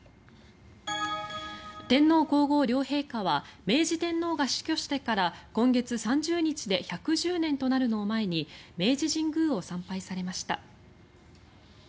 天皇・皇后両陛下は明治天皇が死去してから今月３０日で１１０年となるのを前に明治神宮を参拝されました。